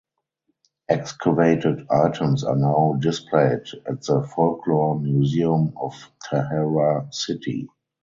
Excavated items are now displayed at the Folklore Museum of Tahara City.